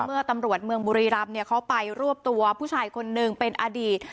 เมื่อตำรวจเมืองบุรีรำเนี่ยเขาไปรวบตัวผู้ชายคนหนึ่งเป็นอดีต